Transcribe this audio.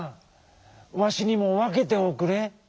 わしにもわけておくれ。